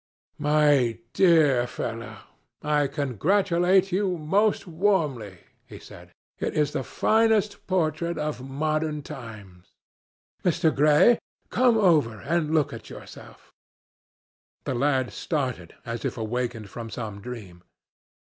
"My dear fellow, I congratulate you most warmly," he said. "It is the finest portrait of modern times. Mr. Gray, come over and look at yourself." The lad started, as if awakened from some dream.